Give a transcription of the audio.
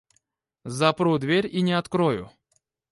Запру дверь и не открою.